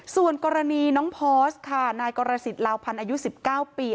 ส่วนกรณีน้องพอสค่ะนายกลาวพันอายุ๑๙ปี